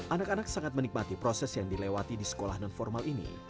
anak anak sangat menikmati proses yang dilewati di sekolah non formal ini